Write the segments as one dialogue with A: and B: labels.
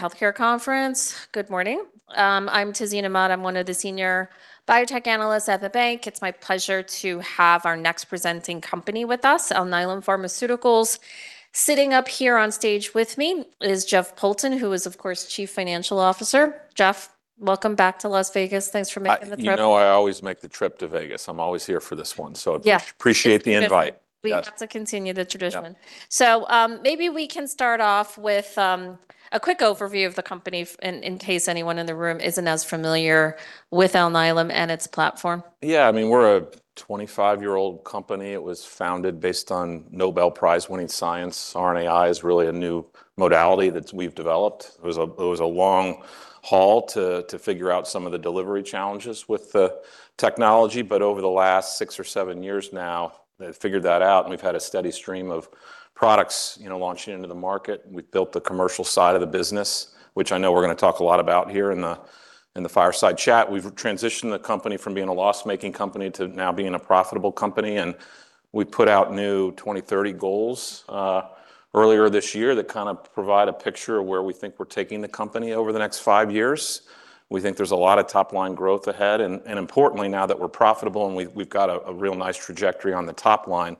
A: The Healthcare Conference. Good morning. I'm Tazeen Ahmad. I'm one of the senior biotech analysts at the bank. It's my pleasure to have our next presenting company with us, Alnylam Pharmaceuticals. Sitting up here on stage with me is Jeff Poulton, who is, of course, Chief Financial Officer. Jeff, welcome back to Las Vegas. Thanks for making the trip.
B: You know I always make the trip to Vegas. I'm always here for this one.
A: Yeah
B: Appreciate the invite.
A: Good.
B: Yes.
A: We have to continue the tradition.
B: Yeah.
A: Maybe we can start off with a quick overview of the company in case anyone in the room isn't as familiar with Alnylam and its platform.
B: Yeah, I mean, we're a 25-year-old company. It was founded based on Nobel Prize-winning science. RNAi is really a new modality that we've developed. It was a long haul to figure out some of the delivery challenges with the technology, but over the last six or seven years now, they've figured that out, and we've had a steady stream of products, you know, launching into the market. We've built the commercial side of the business, which I know we're gonna talk a lot about here in the fireside chat. We've transitioned the company from being a loss-making company to now being a profitable company, and we put out new Alnylam 2030 goals earlier this year that kind of provide a picture of where we think we're taking the company over the next five years. We think there's a lot of top-line growth ahead. Importantly, now that we're profitable and we've got a real nice trajectory on the top line,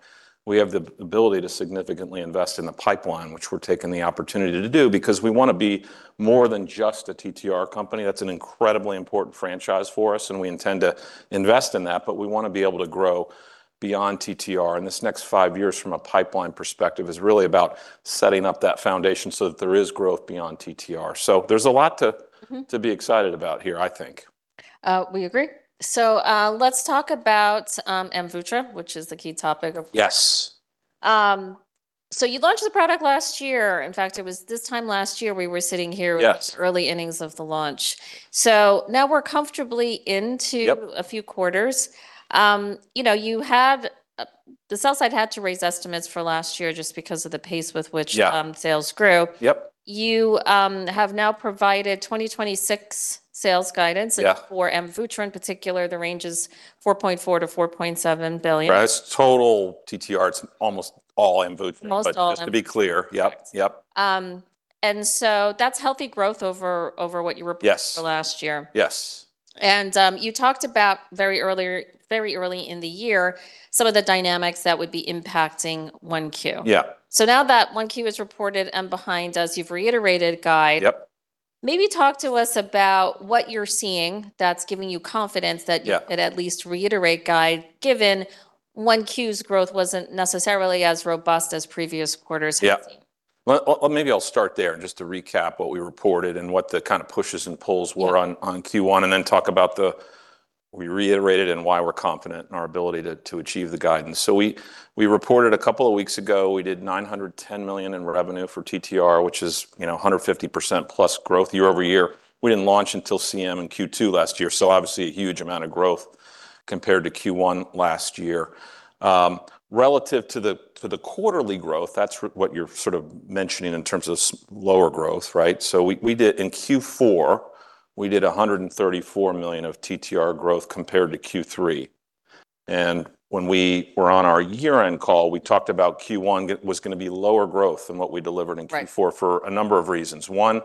B: we have the ability to significantly invest in the pipeline, which we're taking the opportunity to do because we wanna be more than just a TTR company. That's an incredibly important franchise for us. We intend to invest in that, but we wanna be able to grow beyond TTR. This next five years from a pipeline perspective is really about setting up that foundation so that there is growth beyond TTR. To be excited about here, I think.
A: We agree. Let's talk about AMVUTTRA, which is the key topic.
B: Yes.
A: You launched the product last year. In fact, it was this time last year we were sitting here
B: Yes
A: -with early innings of the launch. now we're.
B: Yep
A: A few quarters. You know, you have, the sell side had to raise estimates for last year just because of the pace with which
B: Yeah
A: -sales grew.
B: Yep.
A: You have now provided 2026 sales guidance.
B: Yeah
A: For AMVUTTRA in particular, the range is $4.4 billion-$4.7 billion.
B: That's total TTR. It's almost all AMVUTTRA.
A: Most all of it.
B: Just to be clear. Yep.
A: Correct.
B: Yep.
A: That's healthy growth over what you reported
B: Yes
A: -for last year.
B: Yes.
A: You talked about very early in the year some of the dynamics that would be impacting 1Q.
B: Yeah.
A: Now that 1Q is reported and behind us, you've reiterated guide.
B: Yep.
A: Maybe talk to us about what you're seeing that's giving you confidence?
B: Yeah
A: You could at least reiterate guide, given 1Q's growth wasn't necessarily as robust as previous quarters have been.
B: Yeah. Well, maybe I'll start there just to recap what we reported and what the kind of pushes and pulls were
A: Yeah
B: -on Q1, we reiterated and why we're confident in our ability to achieve the guidance. We reported a couple of weeks ago, we did $910 million in revenue for TTR, which is, you know, +150% growth year-over-year. We didn't launch until CM in Q2 last year, obviously a huge amount of growth compared to Q1 last year. Relative to the quarterly growth, that's what you're sort of mentioning in terms of lower growth, right? We did, in Q4, we did $134 million of TTR growth compared to Q3, when we were on our year-end call, we talked about Q1 gonna be lower growth than what we delivered in Q4
A: Right
B: -for a number of reasons. One,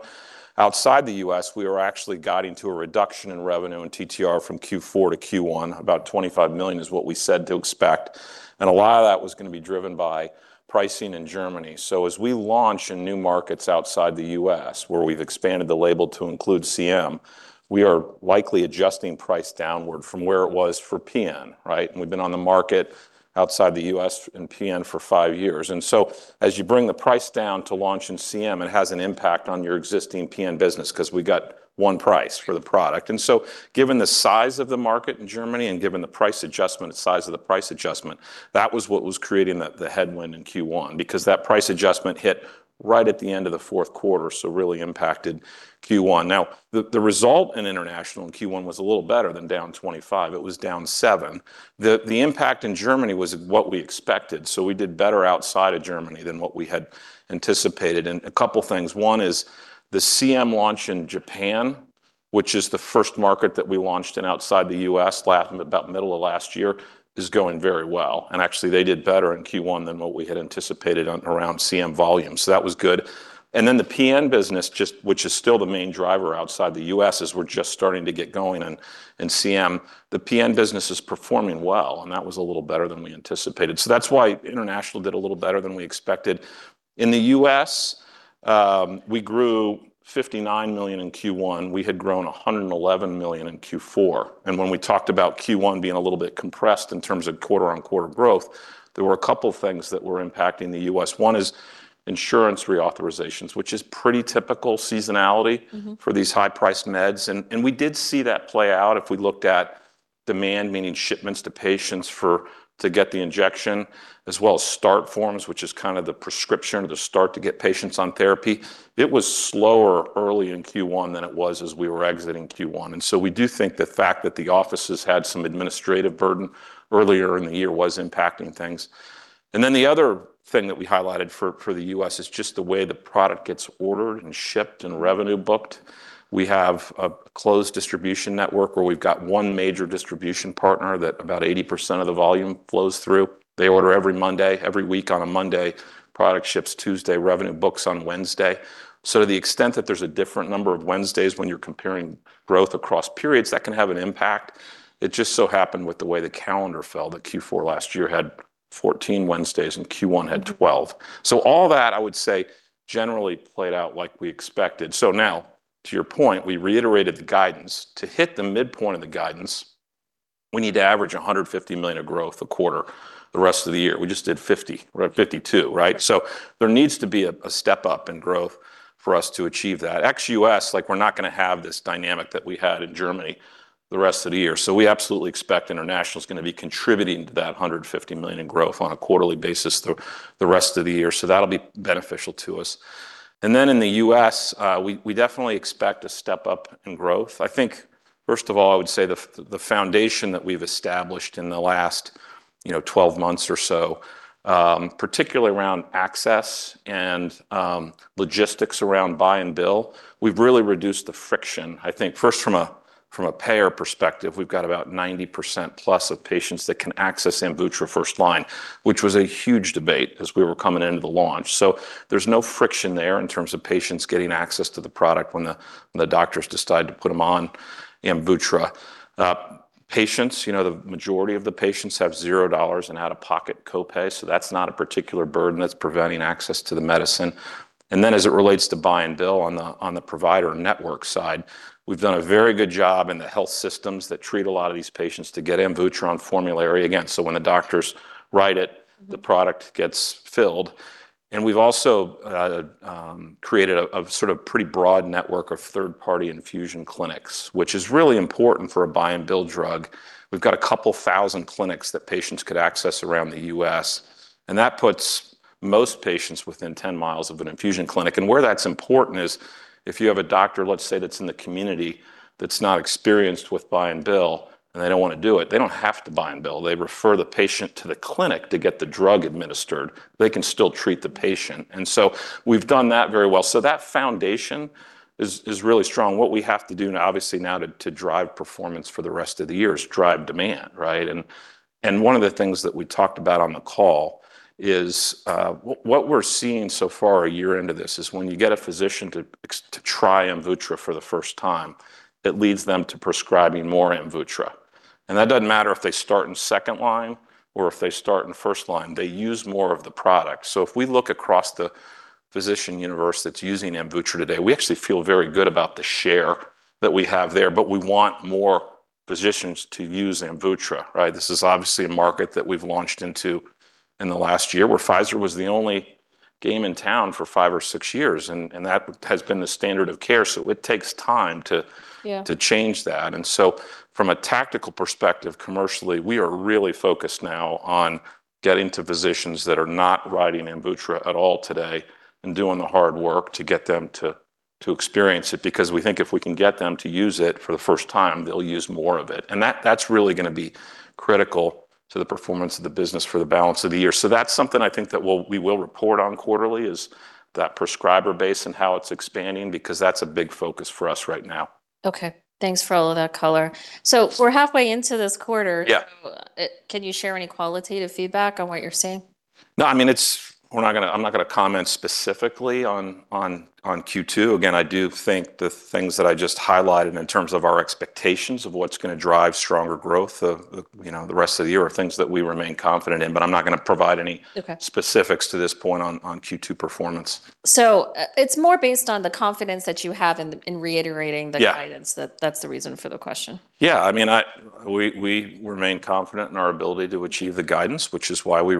B: outside the U.S., we were actually guiding to a reduction in revenue in TTR from Q4 to Q1. About $25 million is what we said to expect, and a lot of that was gonna be driven by pricing in Germany. As we launch in new markets outside the U.S., where we've expanded the label to include CM, we are likely adjusting price downward from where it was for PN, right? We've been on the market outside the U.S. in PN for five years. As you bring the price down to launch in CM, it has an impact on your existing PN business 'cause we got one price for the product. Given the size of the market in Germany and given the price adjustment, the size of the price adjustment, that was what was creating the headwind in Q1 because that price adjustment hit right at the end of the fourth quarter, so really impacted Q1. Now, the result in international in Q1 was a little better than down 25. It was down seven. The impact in Germany was what we expected, so we did better outside of Germany than what we had anticipated, and a couple things. One is the CM launch in Japan, which is the first market that we launched in outside the U.S. last, about middle of last year, is going very well, and actually they did better in Q1 than what we had anticipated on around CM volume. That was good. Then the PN business just, which is still the main driver outside the U.S. as we're just starting to get going in CM. The PN business is performing well, that was a little better than we anticipated. That's why international did a little better than we expected. In the U.S., we grew $59 million in Q1. We had grown $111 million in Q4, when we talked about Q1 being a little bit compressed in terms of quarter-on-quarter growth, there were a couple things that were impacting the U.S. One is insurance reauthorizations, which is pretty typical seasonality. for these high-priced meds. We did see that play out if we looked at demand, meaning shipments to patients for, to get the injection, as well as start forms, which is kind of the prescription, the start to get patients on therapy. It was slower early in Q1 than it was as we were exiting Q1. We do think the fact that the offices had some administrative burden earlier in the year was impacting things. The other thing that we highlighted for the U.S. is just the way the product gets ordered and shipped and revenue booked. We have a closed distribution network where we've got one major distribution partner that about 80% of the volume flows through. They order every Monday, every week on a Monday. Product ships Tuesday, revenue books on Wednesday. To the extent that there's a different number of Wednesdays when you're comparing growth across periods, that can have an impact. It just so happened with the way the calendar fell that Q4 last year had 14 Wednesdays and Q1 had 12. All that I would say generally played out like we expected. Now to your point, we reiterated the guidance. To hit the midpoint of the guidance, we need to average $150 million of growth a quarter the rest of the year. We just did $50. We're at $52, right? There needs to be a step-up in growth for us to achieve that. Ex-U.S., like, we're not gonna have this dynamic that we had in Germany the rest of the year. We absolutely expect international's gonna be contributing to that $150 million in growth on a quarterly basis through the rest of the year. That'll be beneficial to us. In the U.S., we definitely expect a step up in growth. I think, first of all, I would say the foundation that we've established in the last, you know, 12 months or so, particularly around access and logistics around buy and bill, we've really reduced the friction. I think first from a payer perspective, we've got about 90%-plus of patients that can access AMVUTTRA first line, which was a huge debate as we were coming into the launch. There's no friction there in terms of patients getting access to the product when the doctors decide to put them on AMVUTTRA. Patients, you know, the majority of the patients have $0 in out-of-pocket co-pay, so that's not a particular burden that's preventing access to the medicine. As it relates to buy and bill on the provider network side, we've done a very good job in the health systems that treat a lot of these patients to get AMVUTTRA on formulary. When the doctors write it, the product gets filled, and we've also created a pretty broad network of third-party infusion clinics, which is really important for a buy-and-bill drug. We've got 2,000 clinics that patients could access around the U.S., and that puts most patients within 10 miles of an infusion clinic. Where that's important is if you have a doctor, let's say, that's in the community that's not experienced with buy and bill, and they don't want to do it, they don't have to buy and bill. They refer the patient to the clinic to get the drug administered. They can still treat the patient. We've done that very well. That foundation is really strong. What we have to do now, obviously now to drive performance for the rest of the year is drive demand, right? One of the things that we talked about on the call is what we're seeing so far a year into this is when you get a physician to try AMVUTTRA for the first time, it leads them to prescribing more AMVUTTRA. That doesn't matter if they start in second line or if they start in first line, they use more of the product. If we look across the physician universe that's using AMVUTTRA today, we actually feel very good about the share that we have there, but we want more physicians to use AMVUTTRA, right? This is obviously a market that we've launched into in the last year, where Pfizer was the only game in town for five or six years, and that has been the standard of care. It takes time to
A: Yeah
B: -to change that. From a tactical perspective, commercially, we are really focused now on getting to physicians that are not writing AMVUTTRA at all today and doing the hard work to get them to experience it, because we think if we can get them to use it for the first time, they'll use more of it. That's really gonna be critical to the performance of the business for the balance of the year. That's something I think that we will report on quarterly, is that prescriber base and how it's expanding, because that's a big focus for us right now.
A: Okay. Thanks for all of that color. We're halfway into this quarter.
B: Yeah.
A: Can you share any qualitative feedback on what you're seeing?
B: No, I mean, I'm not gonna comment specifically on Q2. I do think the things that I just highlighted in terms of our expectations of what's gonna drive stronger growth of, you know, the rest of the year are things that we remain confident in
A: Okay
B: -specifics to this point on Q2 performance.
A: It's more based on the confidence that you have in reiterating
B: Yeah
A: -the guidance that that's the reason for the question.
B: Yeah, I mean, we remain confident in our ability to achieve the guidance, which is why we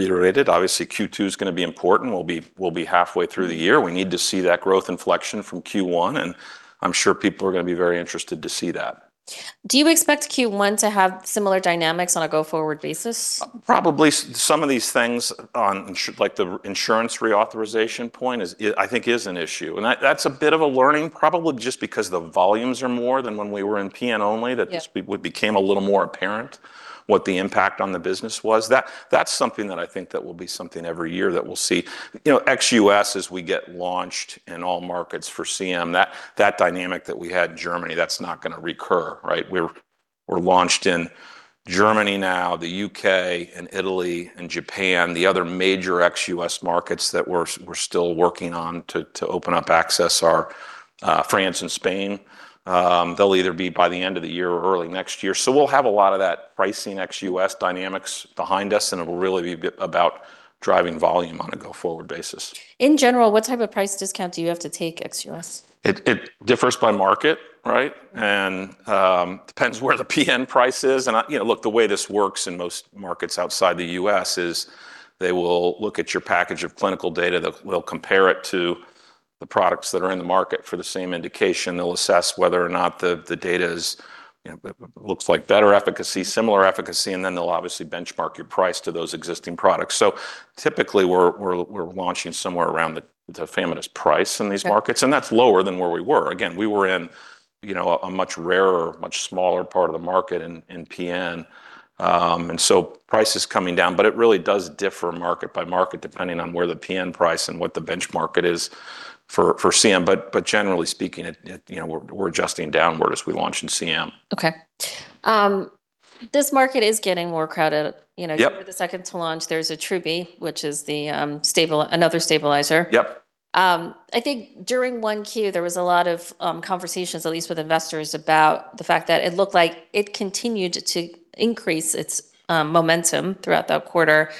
B: reiterated. Obviously, Q2 is gonna be important. We'll be halfway through the year. We need to see that growth inflection from Q1, and I'm sure people are gonna be very interested to see that.
A: Do you expect Q1 to have similar dynamics on a go-forward basis?
B: Probably some of these things on like the insurance reauthorization point is I think is an issue. That, that's a bit of a learning, probably just because the volumes are more than when we were in PN only.
A: Yeah
B: We became a little more apparent what the impact on the business was. That's something that I think that will be something every year that we'll see. You know, ex-US, as we get launched in all markets for CM, that dynamic that we had in Germany, that's not going to recur, right? We're launched in Germany now, the U.K., and Italy, and Japan. The other major ex-US markets that we're still working on to open up access are France and Spain. They'll either be by the end of the year or early next year. We'll have a lot of that pricing ex-US dynamics behind us, and it will really be about driving volume on a go-forward basis.
A: In general, what type of price discount do you have to take ex-U.S.?
B: It differs by market, right? Depends where the PN price is. You know, look, the way this works in most markets outside the U.S. is they will look at your package of clinical data. They'll compare it to the products that are in the market for the same indication. They'll assess whether or not the data is, you know, looks like better efficacy, similar efficacy, and then they'll obviously benchmark your price to those existing products. Typically, we're launching somewhere around the tafamidis price in these markets.
A: Yeah.
B: That's lower than where we were. Again, we were in, you know, a much rarer, much smaller part of the market in PN. Price is coming down, but it really does differ market by market, depending on where the PN price and what the benchmark is for CM. Generally speaking, it, you know, we're adjusting downward as we launch in CM.
A: Okay. This market is getting more crowded,
B: Yep
A: -you were the second to launch. There's Attruby, which is the another stabilizer.
B: Yep.
A: I think during 1Q, there was a lot of conversations, at least with investors, about the fact that it looked like it continued to increase its momentum throughout that quarter.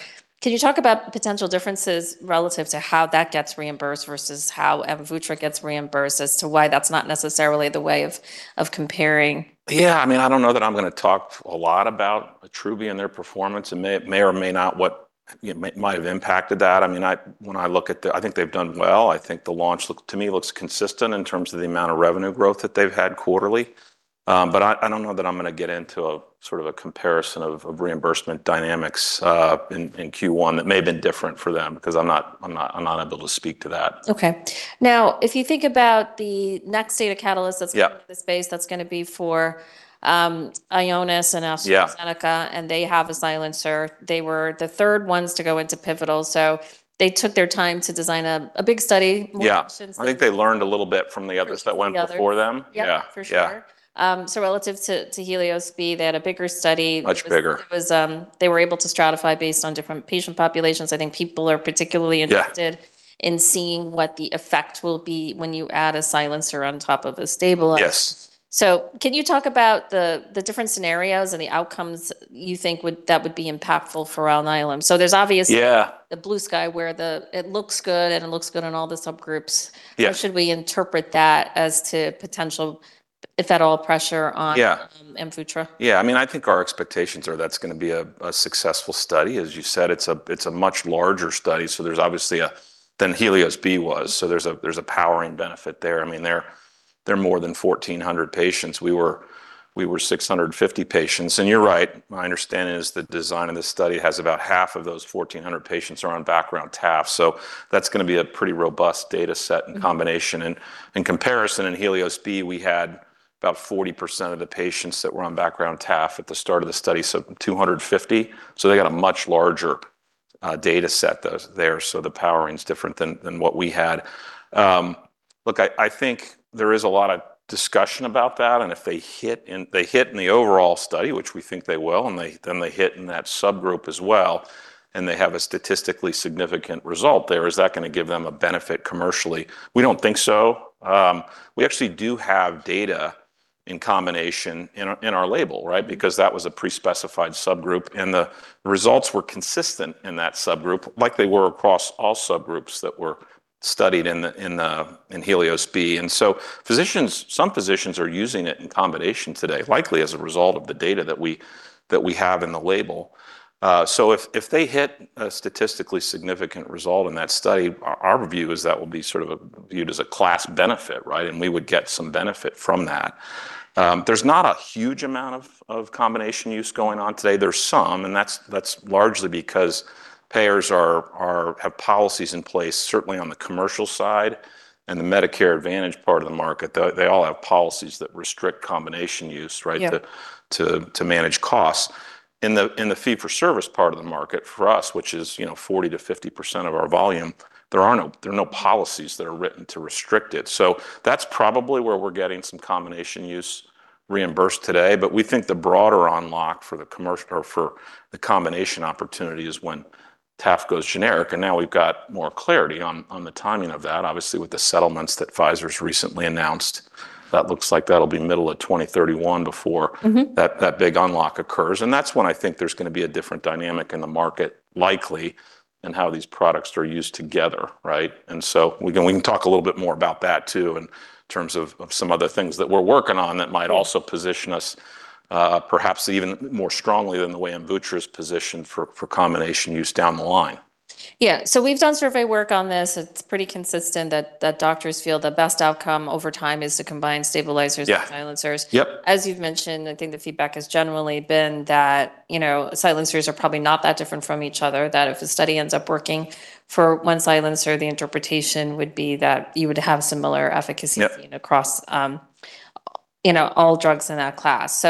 A: Can you talk about potential differences relative to how that gets reimbursed versus how AMVUTTRA gets reimbursed as to why that's not necessarily the way of comparing?
B: Yeah, I mean, I don't know that I'm gonna talk a lot about Attruby and their performance. It may or may not have impacted that. I mean, I think they've done well. I think the launch to me looks consistent in terms of the amount of revenue growth that they've had quarterly. I don't know that I'm gonna get into a sort of a comparison of reimbursement dynamics in Q1 that may have been different for them, 'cause I'm not able to speak to that.
A: Okay. if you think about the next data catalyst
B: Yeah
A: -coming to the space, that's gonna be for, Ionis and AstraZeneca.
B: Yeah.
A: They have a silencer. They were the third ones to go into pivotal. They took their time to design a big study.
B: Yeah. I think they learned a little bit from the others that went before them.
A: The other. Yep.
B: Yeah. Yeah.
A: For sure. Relative to HELIOS-B, they had a bigger study.
B: Much bigger.
A: It was, they were able to stratify based on different patient populations. I think people are particularly interested
B: Yeah
A: -in seeing what the effect will be when you add a silencer on top of a stabilizer.
B: Yes.
A: Can you talk about the different scenarios and the outcomes you think would be impactful for Alnylam?
B: Yeah
A: The blue sky, it looks good, and it looks good on all the subgroups.
B: Yeah.
A: How should we interpret that as to potential, if at all, pressure on
B: Yeah
A: AMVUTTRA?
B: Yeah, I mean, I think our expectations are that's going to be a successful study. As you said, it's a much larger study than HELIOS-B was, so there's a powering benefit there. I mean, they're more than 1,400 patients. We were 650 patients. You're right, my understanding is the design of this study has about half of those 1,400 patients are on background TAF, so that's going to be a pretty robust data set and combination. In comparison, in HELIOS-B, we had about 40% of the patients that were on background TAF at the start of the study, so 250. They got a much larger data set there, so the powering's different than what we had. Look, I think there is a lot of discussion about that, and if they hit in the overall study, which we think they will, then they hit in that subgroup as well, and they have a statistically significant result there. Is that gonna give them a benefit commercially? We don't think so. We actually do have data in combination in our label. Because that was a pre-specified subgroup, and the results were consistent in that subgroup, like they were across all subgroups that were studied in HELIOS-B. Physicians, some physicians are using it in combination today, likely as a result of the data that we have in the label. If they hit a statistically significant result in that study, our view is that will be sort of viewed as a class benefit, right? We would get some benefit from that. There's not a huge amount of combination use going on today. There's some, that's largely because payers are have policies in place, certainly on the commercial side and the Medicare Advantage part of the market. They all have policies that restrict combination use, right?
A: Yeah.
B: To manage costs. In the fee for service part of the market, for us, which is, you know, 40%-50% of our volume, there are no policies that are written to restrict it. That's probably where we're getting some combination use reimbursed today, but we think the broader unlock for the commercial or for the combination opportunity is when TAF goes generic, and now we've got more clarity on the timing of that. Obviously, with the settlements that Pfizer's recently announced, that looks like that'll be middle of 2031. That big unlock occurs, and that's when I think there's gonna be a different dynamic in the market likely in how these products are used together, right? We can talk a little bit more about that too in terms of some other things that we're working on that might also position us perhaps even more strongly than the way AMVUTTRA's positioned for combination use down the line.
A: We've done survey work on this. It's pretty consistent that doctors feel the best outcome over time is to combine stabilizers
B: Yeah
A: -with silencers.
B: Yep.
A: As you've mentioned, I think the feedback has generally been that, you know, silencers are probably not that different from each other, that if a study ends up working for one silencer, the interpretation would be that you would have similar efficacy
B: Yep
A: -seen across, you know, all drugs in that class.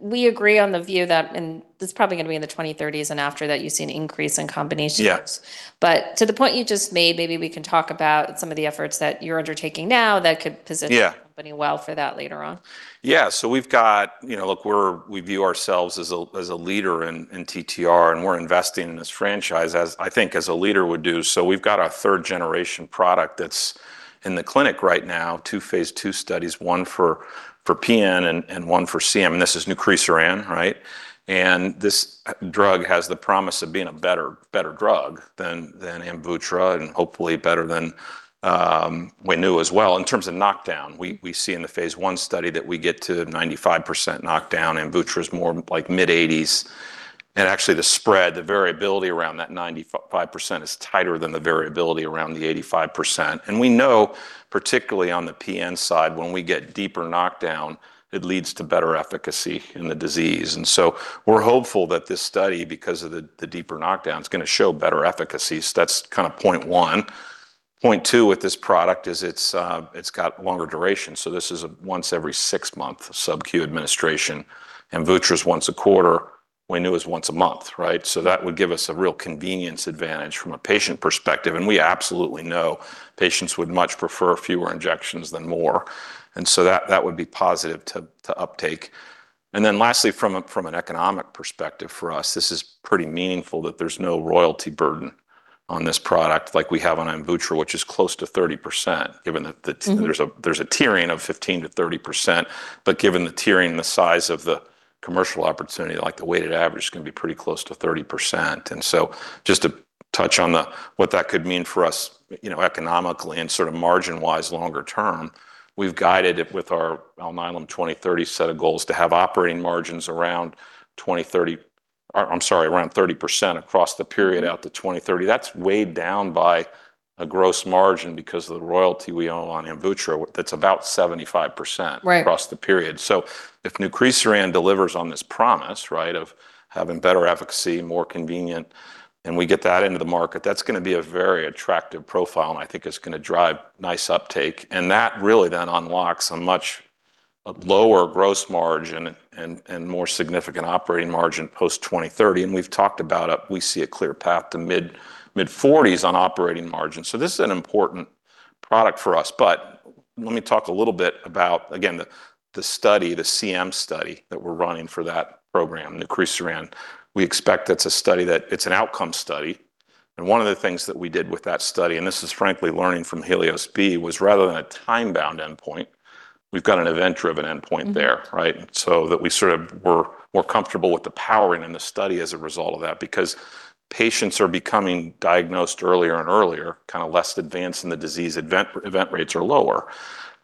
A: We agree on the view that, and this is probably going to be in the 2030s, and after that you see an increase in combination use.
B: Yeah.
A: To the point you just made, maybe we can talk about some of the efforts that you're undertaking now
B: Yeah
A: -the company well for that later on.
B: Yeah. You know, look, we view ourselves as a leader in TTR, and we're investing in this franchise as, I think as a leader would do. We've got a third generation product that's in the clinic right now, two phase II studies, one for PN and one for CM, and this is nucresiran, right? This drug has the promise of being a better drug than AMVUTTRA, and hopefully better than WAINUA as well. In terms of knockdown, we see in the phase I study that we get to 95% knockdown. AMVUTTRA's more like mid-80s. Actually the spread, the variability around that 95% is tighter than the variability around the 85%. We know particularly on the PN side, when we get deeper knockdown, it leads to better efficacy in the disease. We're hopeful that this study, because of the deeper knockdown, is gonna show better efficacy. That's kind of point one. Point two with this product is it's got longer duration. This is a once every six month sub-Q administration. AMVUTTRA's once a quarter. WAINUA is once a month, right? That would give us a real convenience advantage from a patient perspective, and we absolutely know patients would much prefer fewer injections than more. That would be positive to uptake. Lastly, from an economic perspective for us, this is pretty meaningful that there's no royalty burden on this product like we have on AMVUTTRA, which is close to 30%, given that the -there's a tiering of 15%-30%, but given the tiering, the size of the commercial opportunity, like the weighted average is gonna be pretty close to 30%. Just touch on the, what that could mean for us, you know, economically and sort of margin-wise longer term. We've guided it with our Alnylam 2030 set of goals to have operating margins around 2030, or I'm sorry, around 30% across the period out to 2030. That's weighed down by a gross margin because of the royalty we own on AMVUTTRA. That's about 75%
A: Right
B: -across the period. If nucresiran delivers on this promise, right, of having better efficacy, more convenient, and we get that into the market, that's going to be a very attractive profile, and I think it's going to drive nice uptake. That really then unlocks a much, a lower gross margin and more significant operating margin post 2030. We've talked about, we see a clear path to mid-40s on operating margins. This is an important product for us. Let me talk a little bit about, again, the study, the CM study that we're running for that program, nucresiran. It's an outcome study, and one of the things that we did with that study, and this is frankly learning from HELIOS-B, was rather than a time-bound endpoint, we've got an event-driven endpoint there, right? That we sort of were more comfortable with the powering in the study as a result of that because patients are becoming diagnosed earlier and earlier, kind of less advanced in the disease. Event rates are lower.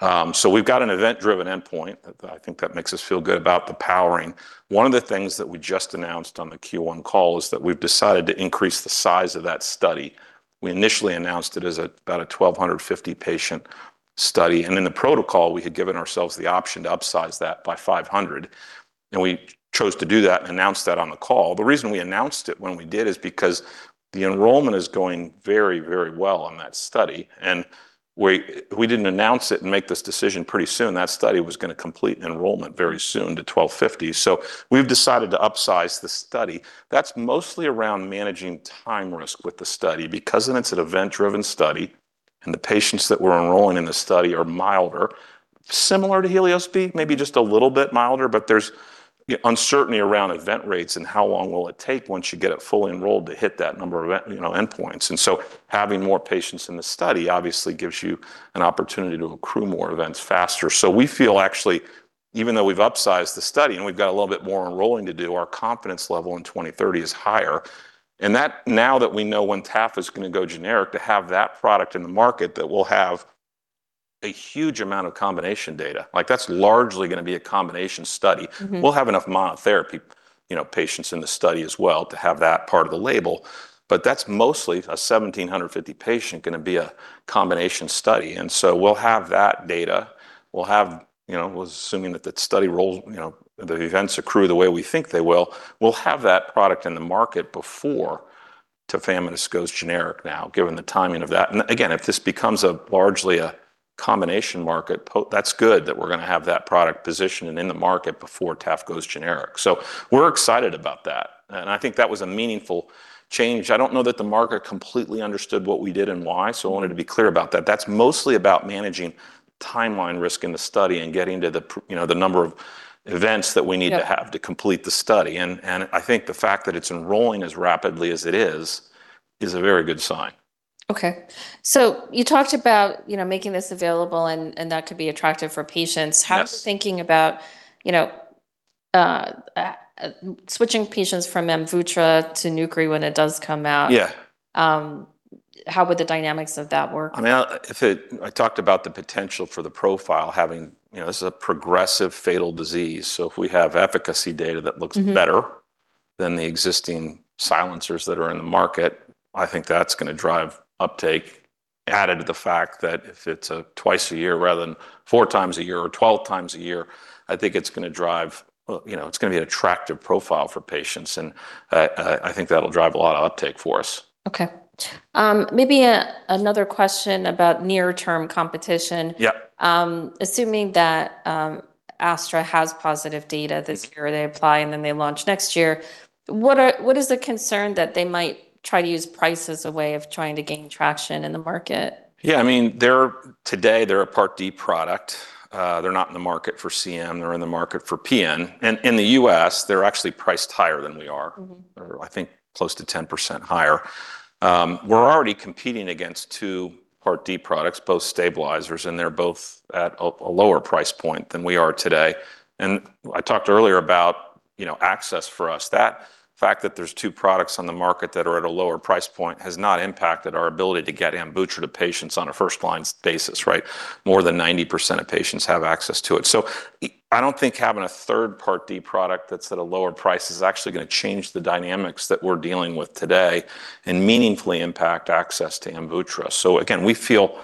B: We've got an event-driven endpoint. I think that makes us feel good about the powering. One of the things that we just announced on the Q1 call is that we've decided to increase the size of that study. We initially announced it about a 1,250 patient study, in the protocol we had given ourselves the option to upsize that by 500, we chose to do that and announced that on the call. The reason we announced it when we did is because the enrollment is going very, very well on that study, and we didn't announce it and make this decision pretty soon. That study was gonna complete enrollment very soon to 1,250. We've decided to upsize the study. That's mostly around managing time risk with the study because then it's an event-driven study, and the patients that we're enrolling in the study are milder, similar to HELIOS-B, maybe just a little bit milder, but there's uncertainty around event rates and how long will it take once you get it fully enrolled to hit that number of you know, endpoints. Having more patients in the study obviously gives you an opportunity to accrue more events faster. We feel actually, even though we've upsized the study and we've got a little bit more enrolling to do, our confidence level in Alnylam 2030 is higher and that, now that we know when TAF is gonna go generic, to have that product in the market that will have a huge amount of combination data. Like, that's largely gonna be a combination study. We'll have enough monotherapy, you know, patients in the study as well to have that part of the label, but that's mostly a 1,750 patient gonna be a combination study. We'll have that data. We'll have, you know, we're assuming that the study rolls, you know, the events accrue the way we think they will. We'll have that product in the market before tafamidis goes generic now, given the timing of that. If this becomes a largely a combination market, that's good that we're gonna have that product positioned and in the market before TAF goes generic. We're excited about that, and I think that was a meaningful change. I don't know that the market completely understood what we did and why, so I wanted to be clear about that. That's mostly about managing timeline risk in the study and getting to the you know, the number of events that we need
A: Yeah
B: -to have to complete the study. I think the fact that it's enrolling as rapidly as it is is a very good sign.
A: Okay. You talked about, you know, making this available and that could be attractive for patients.
B: Yes.
A: How are you thinking about, you know, switching patients from AMVUTTRA to nucresiran when it does come out?
B: Yeah.
A: How would the dynamics of that work?
B: I mean, I talked about the potential for the profile. You know, this is a progressive fatal disease. Better than the existing silencers that are in the market, I think that's gonna drive uptake. Added to the fact that if it's a twice a year rather than four times a year or 12 times a year, I think it's gonna drive, you know, it's gonna be an attractive profile for patients, and I think that'll drive a lot of uptake for us.
A: Okay. Maybe another question about near-term competition.
B: Yeah.
A: Assuming that, Astra has positive data this year
B: Yes
A: -they apply, and then they launch next year, what is the concern that they might try to use price as a way of trying to gain traction in the market?
B: I mean, today they're a Part D product. They're not in the market for CM. They're in the market for PN. In the U.S., they're actually priced higher than we are. They're close to 10% higher. We're already competing against two Part D products, both stabilizers, and they're both at a lower price point than we are today. I talked earlier about, you know, access for us. That fact that there's two products on the market that are at a lower price point has not impacted our ability to get AMVUTTRA to patients on a first-line basis. More than 90% of patients have access to it. I don't think having a third Part D product that's at a lower price is actually gonna change the dynamics that we're dealing with today and meaningfully impact access to AMVUTTRA. Again, we feel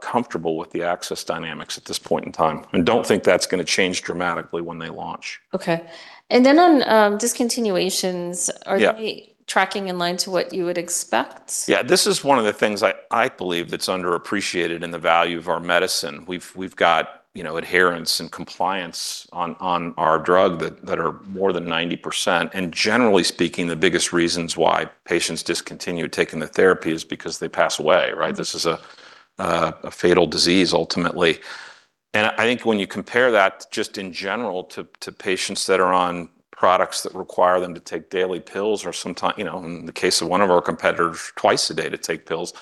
B: comfortable with the access dynamics at this point in time and don't think that's gonna change dramatically when they launch.
A: Okay. On discontinuations,
B: Yeah
A: -are you tracking in line to what you would expect?
B: Yeah, this is one of the things I believe that's underappreciated in the value of our medicine. We've got, you know, adherence and compliance on our drug that are more than 90%, generally speaking, the biggest reasons why patients discontinue taking the therapy is because they pass away, right? This is a fatal disease ultimately. I think when you compare that just in general to patients that are on products that require them to take daily pills or you know, in the case of one of our competitors, twice a day to take pills,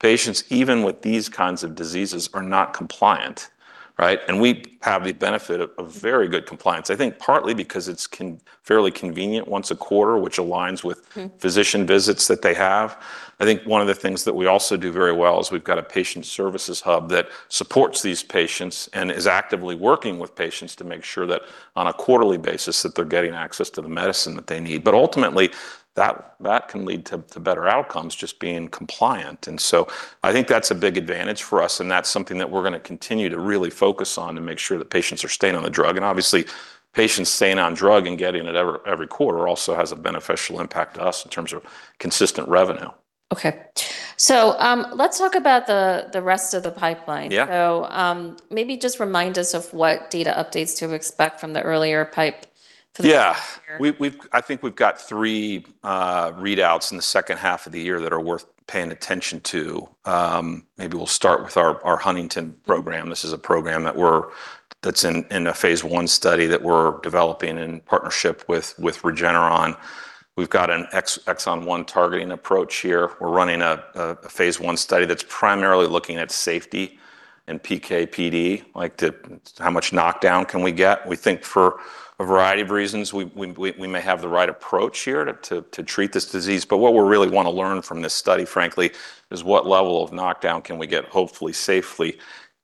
B: patients even with these kinds of diseases are not compliant, right? We have the benefit of very good compliance. I think partly because it's fairly convenient, once a quarter which aligns with -physician visits that they have. I think one of the things that we also do very well is we've got a patient services hub that supports these patients and is actively working with patients to make sure that on a quarterly basis, that they're getting access to the medicine that they need. Ultimately, that can lead to better outcomes, just being compliant. I think that's a big advantage for us, and that's something that we're going to continue to really focus on to make sure the patients are staying on the drug. Obviously, patients staying on drug and getting it every quarter also has a beneficial impact to us in terms of consistent revenue.
A: Okay. Let's talk about the rest of the pipeline.
B: Yeah.
A: Maybe just remind us of what data updates to expect from the earlier pipe for the
B: Yeah. We've got three readouts in the second half of the year that are worth paying attention to. Maybe we'll start with our Huntington program. This is a program that's in a phase I study that we're developing in partnership with Regeneron. We've got an exon 1 targeting approach here. We're running a phase I study that's primarily looking at safety and PK/PD, like how much knockdown can we get. We think for a variety of reasons, we may have the right approach here to treat this disease. What we really wanna learn from this study frankly is what level of knockdown can we get, hopefully safely,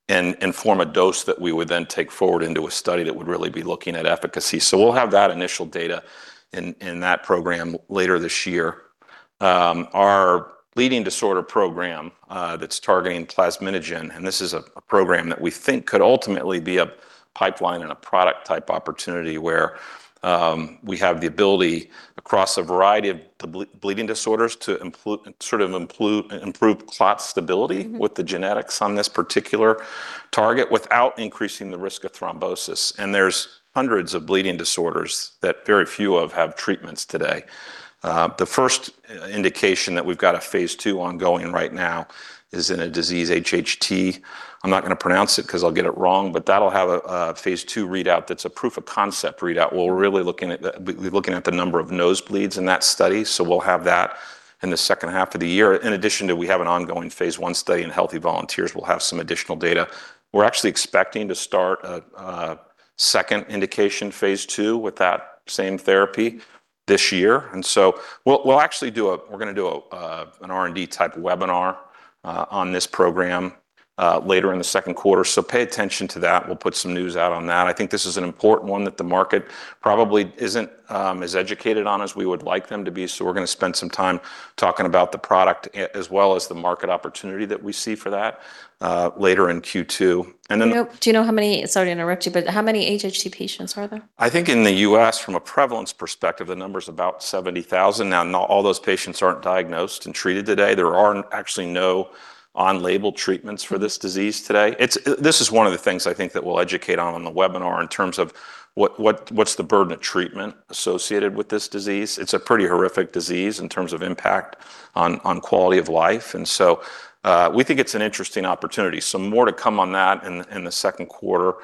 B: and form a dose that we would then take forward into a study that would really be looking at efficacy. We'll have that initial data in that program later this year. Our bleeding disorder program that's targeting plasminogen. This is a program that we think could ultimately be a pipeline and a product type opportunity where we have the ability across a variety of bleeding disorders to improve clot stability -with the genetics on this particular target, without increasing the risk of thrombosis. There's hundreds of bleeding disorders that very few of have treatments today. The first indication that we've got a phase II ongoing right now is in a disease HHT. I'm not gonna pronounce it 'cause I'll get it wrong, but that'll have a phase II readout that's a proof of concept readout. We'll be looking at the number of nosebleeds in that study, so we'll have that in the second half of the year. In addition to, we have an ongoing phase I study in healthy volunteers. We'll have some additional data. We're actually expecting to start a second indication phase II with that same therapy this year. We'll actually do an R&D type webinar on this program later in the second quarter. Pay attention to that. We'll put some news out on that. I think this is an important one that the market probably isn't as educated on as we would like them to be, so we're gonna spend some time talking about the product as well as the market opportunity that we see for that later in Q2.
A: Do you know how many Sorry to interrupt you, but how many HHT patients are there?
B: I think in the U.S. from a prevalence perspective, the number's about 70,000. Not all those patients aren't diagnosed and treated today. There are actually no on-label treatments for this disease today. This is one of the things I think that we'll educate on the webinar in terms of what's the burden of treatment associated with this disease. It's a pretty horrific disease in terms of impact on quality of life. We think it's an interesting opportunity. More to come on that in the second quarter.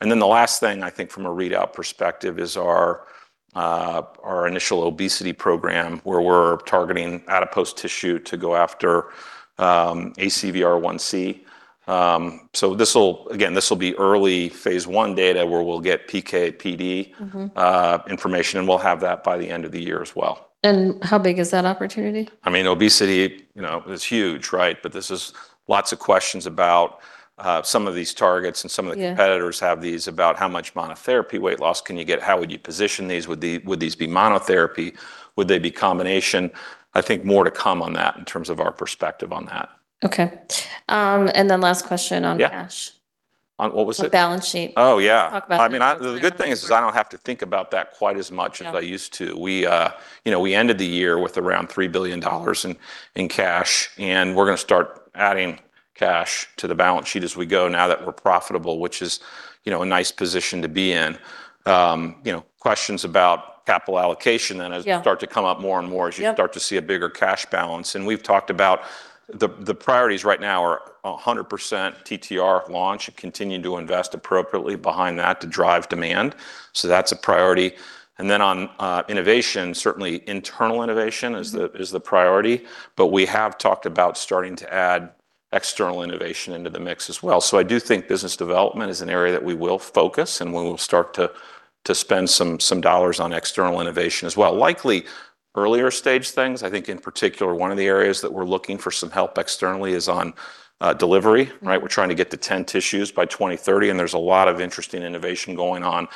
B: The last thing I think from a readout perspective is our initial obesity program where we're targeting adipose tissue to go after ACVR1C. Again, this'll be early phase I data where we'll get PK/PD -information, we'll have that by the end of the year as well.
A: How big is that opportunity?
B: I mean, obesity, you know, is huge, right? This is lots of questions about some of these targets, and some of the
A: Yeah
B: -competitors have these about how much monotherapy weight loss can you get. How would you position these? Would these be monotherapy? Would they be combination? I think more to come on that in terms of our perspective on that.
A: Okay. Then last question on
B: Yeah
A: -cash.
B: On, what was the
A: The balance sheet.
B: Oh, yeah.
A: Talk about that.
B: I mean, The good thing is I don't have to think about that quite as much
A: Yeah
B: -as I used to. We, you know, we ended the year with around $3 billion -in cash. We're going to start adding cash to the balance sheet as we go now that we're profitable, which is, you know, a nice position to be in.
A: Yeah
B: You know questions about capital allocation and as you start to come up more and more as you
A: Yeah
B: -start to see a bigger cash balance, We've talked about the priorities right now are 100% TTR launch and continuing to invest appropriately behind that to drive demand. That's a priority. Then on innovation, certainly internal innovation -is the priority, we have talked about starting to add external innovation into the mix as well. I do think business development is an area that we will focus, and we will start to spend some dollars on external innovation as well. Likely earlier stage things. I think in particular one of the areas that we're looking for some help externally is on delivery, right? We're trying to get to 10 tissues by 2030. There's a lot of interesting innovation going on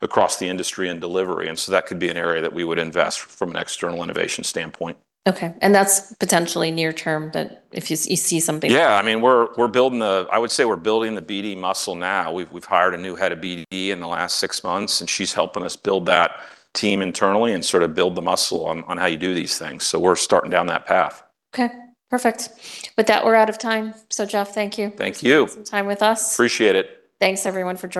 B: across the industry in delivery. So that could be an area that we would invest from an external innovation standpoint.
A: Okay. That's potentially near term that if you see something.
B: Yeah. I mean, we're building the BD muscle now. We've hired a new head of BD in the last six months, she's helping us build that team internally and sort of build the muscle on how you do these things. We're starting down that path.
A: Okay. Perfect. With that, we're out of time. Jeff, thank you
B: Thank you.
A: -for some time with us.
B: Appreciate it.
A: Thanks everyone for joining.